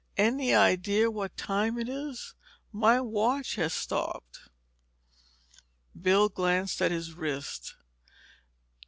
Any idea what time it is? My watch has stopped." Bill glanced at his wrist.